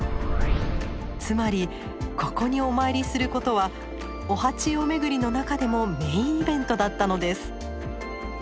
つまりここにお参りすることはお八葉めぐりの中でもメインイベントだったのです。